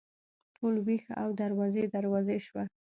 ټول ویښ او دروازې، دروازې شوه